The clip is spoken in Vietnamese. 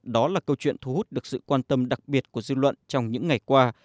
đó là câu chuyện thu hút được sự quan tâm đặc biệt của dư luận trong những ngày qua